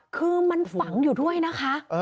คือมันฝังอยู่ด้วยนะคะ